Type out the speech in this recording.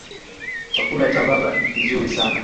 Chakula cha baba ni kizuri sana.